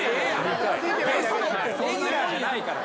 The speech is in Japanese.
レギュラーじゃないから。